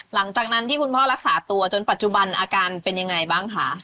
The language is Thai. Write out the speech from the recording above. หลังจากนั้นที่คุณพ่อรักษาตัวจนปัจจุบันอาการเป็นยังไงบ้างคะ